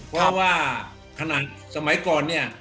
เพราะว่าขนาดสมัยก่อนเนี่ย